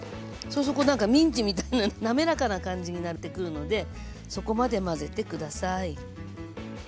そうするとこうなんかミンチみたいな滑らかな感じになってくるのでそこまで混ぜて下さい。